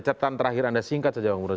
cetan terakhir anda singkat saja pak mbak murad